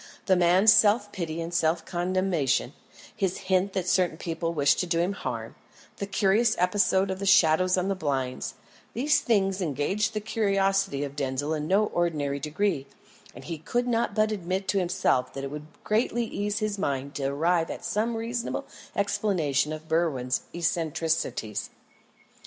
The man's self pity and self condemnation; his hints that certain people wished to do him harm; the curious episode of the shadows on the blind these things engaged the curiosity of Denzil in no ordinary degree; and he could not but admit to himself that it would greatly ease his mind to arrive at some reasonable explanation of Berwin's eccentricities.